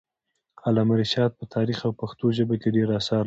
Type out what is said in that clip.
علامه رشاد په تاریخ او پښتو ژبه کي ډير اثار لري.